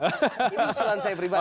ini usulan saya pribadi